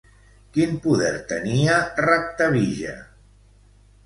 Quin poder tenia Raktabija?